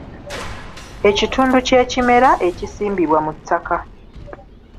Ekitundu ky’ekimera ekisimbibwa mu ttaka.